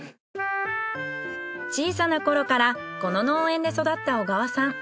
小さな頃からこの農園で育った小川さん。